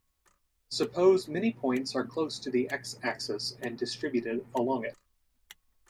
Suppose many points are close to the "x" axis and distributed along it.